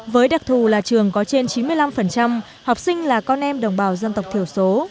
với đặc thù là trường có trên chín mươi năm học sinh là con em đồng bào dân tộc thiểu số